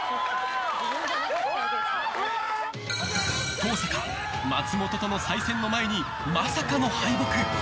登坂、松本との再戦を前にまさかの敗北。